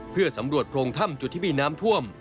เพื่อสำรวจโพรงถ้ำจุดที่มีน้ำท่วม